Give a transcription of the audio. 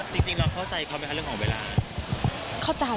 จริงเราเข้าใจเขาไหมคะเรื่องของเวลา